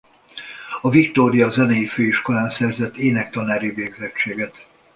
A Victoria Zenei Főiskolán szerzett énektanári végzettséget.